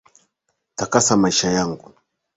Takasa maisha yangu